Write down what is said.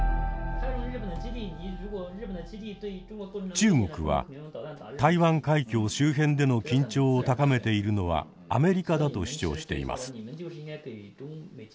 中国は台湾海峡周辺での緊張を高めているのはアメリカだと主張しています。